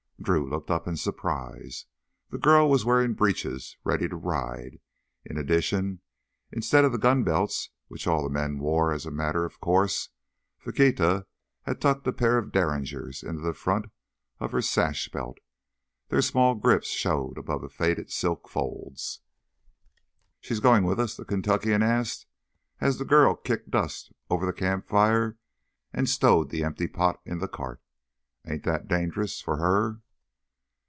Drew looked up in surprise. The girl was wearing breeches, ready to ride. In addition, instead of the gunbelts which all the men wore as a matter of course, Faquita had tucked a pair of derringers in the front of her sash belt. Their small grips showed above the faded silk folds. "She goin' with us?" the Kentuckian asked, as the girl kicked dust over the campfire and stowed the empty pot in the cart. "Ain't that dangerous—for her?"